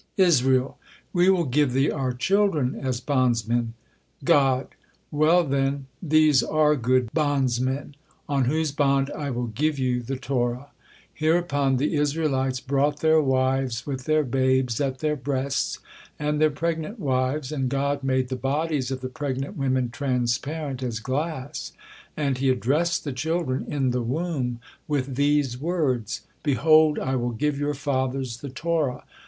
Israel: "We will give Thee our children as bondsmen." God: "Well, then, these are good bondmen, on whose bond I will give you the Torah." Hereupon the Israelites brought their wives with their babes at their breasts, and their pregnant wives, and God made the bodies of the pregnant women transparent as glass, and He addressed the children in the womb with these words: "Behold, I will give your fathers the Torah.